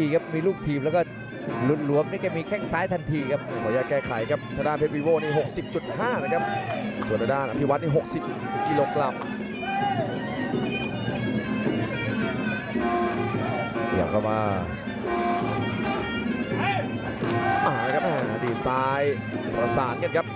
อ๋อครับครับดีซ้ายอุปสรรค์เนี่ยครับ